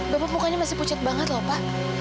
bapak mukanya masih pucat banget loh pak